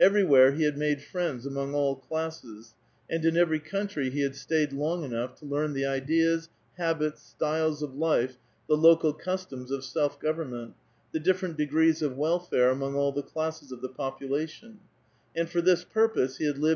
Everywhere he had made friends among all classes ; and in every country he had stayed long enough to Xearn the ideas, habits, style of life, the local customs of self government, the different degrees of welfare among all the olaeses of the population ; and for this purpose he had lived S.